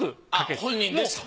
本人ですと。